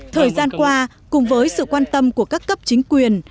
thời gian qua cùng với sự quan tâm của các cấp chính quyền